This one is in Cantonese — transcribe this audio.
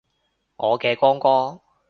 我嘅光哥